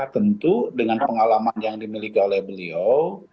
tentu dengan pengalaman yang dimiliki oleh beliau